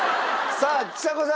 さあちさ子さん！